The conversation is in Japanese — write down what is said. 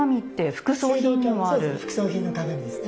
副葬品のためにですね。